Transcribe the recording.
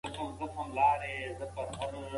منځنۍ لار تل غوره وي.